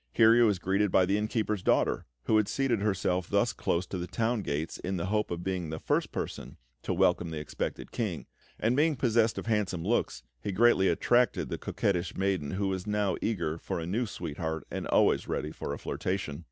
Here he was greeted by the inn keeper's daughter, who had seated herself thus close to the town gates in the hope of being the first person to welcome the expected King; and being possessed of handsome looks, he greatly attracted the coquettish maiden who was eager for a new sweetheart, and always ready for a flirtation.